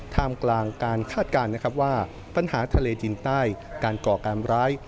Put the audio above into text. ท่ามกลางการคาดการณ์นะครับว่าปัญหาทะเลจีนใต้การก่อการร้าย